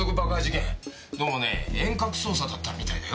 どうもね遠隔操作だったみたいだよ。